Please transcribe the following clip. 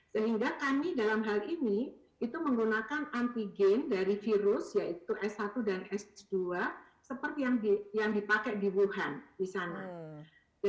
sehingga kami dalam hal ini itu menggunakan antigen dari virus yaitu s satu dan s dua seperti yang dipakai di wuhan di sana